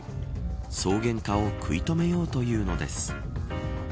草原化を食い止めようというのです。